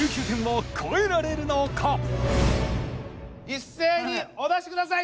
一斉にお出しください。